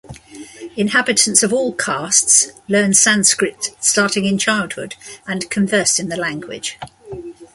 Inhabitants of all castes learn Sanskrit starting in childhood and converse in the language.